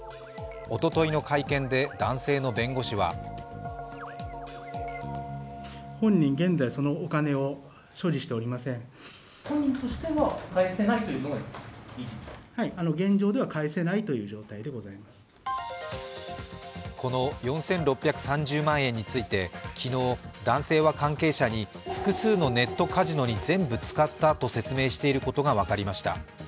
おとといの会見で男性の弁護士はこの４６３０万円について、昨日、男性は関係者に複数のネットカジノに全部使ったと説明していることが分かりました。